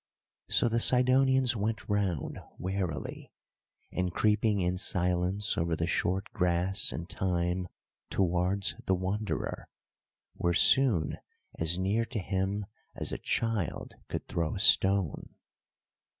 So the Sidonians went round warily, and, creeping in silence over the short grass and thyme towards the Wanderer, were soon as near to him as a child could throw a stone.